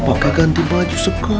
pak ganti baju suka